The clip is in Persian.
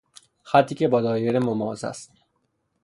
خطی که با دایره مماس است.